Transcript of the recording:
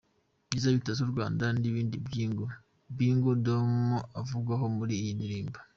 Ibyiza bitatse u Rwanda, ni indi ngingo Big Dom avugaho muri iyi ndirimbo.